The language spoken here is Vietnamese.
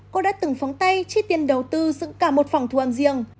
cô đã từng phóng tay chi tiền đầu tư dựng cả một phòng thu âm riêng